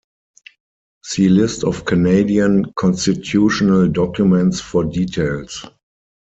See list of Canadian constitutional documents for details.